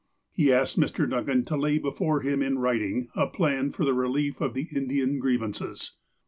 He asked Mr. Duncan to lay before him in writing a plan for the relief of the Indian grievances.